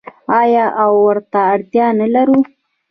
آیا او ورته اړتیا نلرو؟